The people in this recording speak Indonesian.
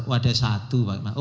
oh ada satu pakai masker